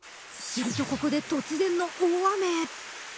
すると、ここで突然の大雨。